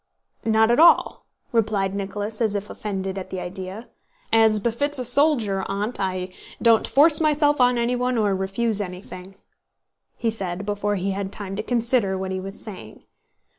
"Not at all," replied Nicholas as if offended at the idea. "As befits a soldier, Aunt, I don't force myself on anyone or refuse anything," he said before he had time to consider what he was saying.